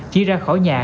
chia ra khỏi nhà